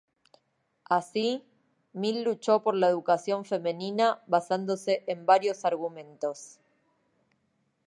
Así, Mill luchó por la educación femenina basándose en varios argumentos.